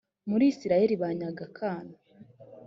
muri isirayeli banyaga akana